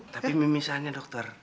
tapi mimisannya dokter